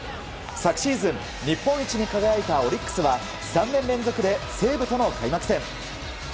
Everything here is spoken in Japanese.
昨シーズン日本一に輝いたオリックスは３年連続で西武との開幕戦。